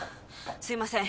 すいません